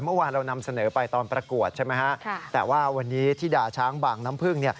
เมื่อวานเรานำเสนอไปตอนประกวดใช่ไหมฮะแต่ว่าวันนี้ที่ดาช้างบางน้ำพึ่ง